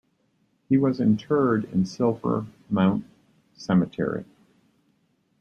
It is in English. He was interred in Silver Mount Cemetery.